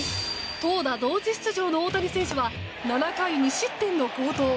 投打同時出場の大谷選手は７回２失点の好投。